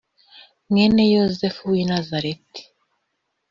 mwene yozefu l w i nazareti